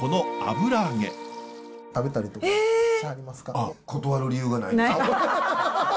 あっ断る理由がないです。